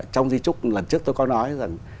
trong di trúc lần trước tôi có nói rằng